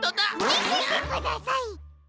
みせてください！